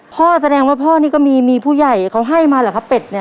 แสดงว่าพ่อนี่ก็มีผู้ใหญ่เขาให้มาเหรอครับเป็ดเนี่ย